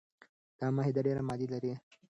دا معاهده ډیري مادې لري.